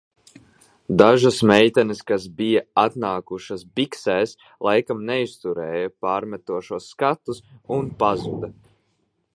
Dažas meitenes, kas bija atnākušas biksēs laikam neizturēja pārmetošos skatus un pazuda.